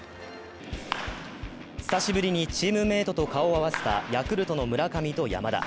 久しぶりにチームメートと顔を合わせたヤクルトの村上と山田。